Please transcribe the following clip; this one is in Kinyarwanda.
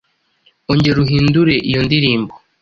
ongera uhindure iyo ndirimbo